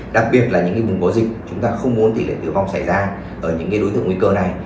đặc biệt là những vùng có dịch chúng ta không muốn tỷ lệ tử vong xảy ra ở những đối tượng nguy cơ này